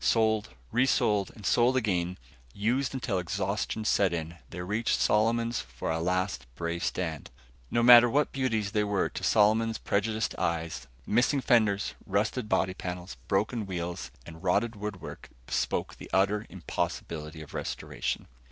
Sold, resold and sold again, used until exhaustion set in, they reached Solomon's for a last brave stand. No matter what beauties they were to Solomon's prejudiced eyes; missing fenders, rusted body panels, broken wheels and rotted woodwork bespoke the utter impossibility of restoration.